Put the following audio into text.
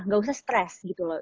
gak usah stres gitu loh